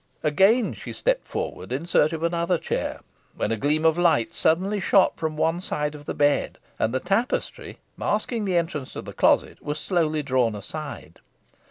Again she stepped forward in search of another chair, when a gleam of light suddenly shot from one side of the bed, and the tapestry, masking the entrance to the closet, was slowly drawn aside.